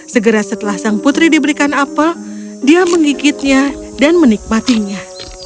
segera setelah sang putri diberikan apel dia menggigitnya dan menikmatinya